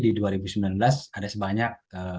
di dua ribu sembilan belas ada sebanyak